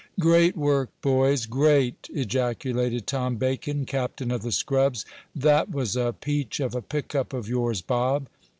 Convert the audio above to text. "Great work, boys! Great!" ejaculated Tom Bacon, captain of the scrubs. "That was a peach of a pick up of yours, Bob."